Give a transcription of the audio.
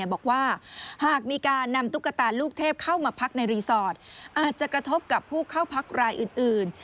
บอกว่าหากมีการนำตุ๊กตาลูกเทพเข้ามาพักในรีสอร์ทอาจจะกระทบกับผู้เข้าพักรายอื่น